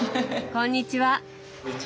こんにちは。